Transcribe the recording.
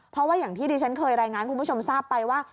เพราะว่าอย่างที่ดิฉันเคยรายงานให้คุณผู้ชมทราบไปว่า